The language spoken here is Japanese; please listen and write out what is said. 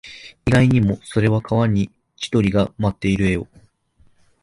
意外にも、それは川に千鳥が舞っている絵を